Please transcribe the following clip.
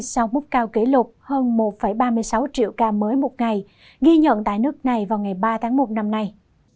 sau múc cao kỷ lục hơn một ba mươi sáu triệu ca mới một ngày ghi nhận tại nước này vào ngày ba tháng một năm nay